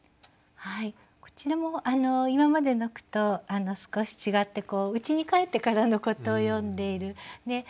はいこちらも今までの句と少し違ってうちに帰ってからのことを詠んでいる。